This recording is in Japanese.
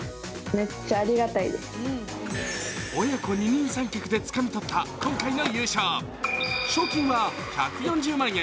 親子二人三脚でつかみ取った今回の優勝、賞金は１４０万円。